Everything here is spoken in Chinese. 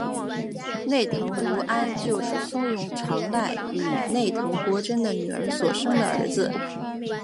内藤如安就是松永长赖与内藤国贞的女儿所生的儿子。